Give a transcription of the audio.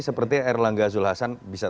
seperti erlangga zulkifli hasan bisa